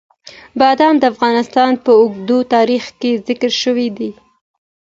بادام د افغانستان په اوږده تاریخ کې ذکر شوي دي.